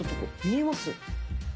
見えます？